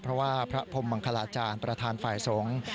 เพราะว่าพระพรมมังคลาจารย์ประธานฝ่ายสงฆ์